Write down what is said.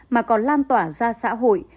mà còn lan tỏa ra xã hội